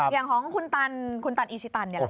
อย่างของคุณตันอิชิตัน